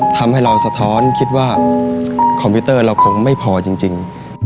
ทำให้เราสะท้อนคิดว่าคอมพิวเตอร์เราคงไม่พอจริง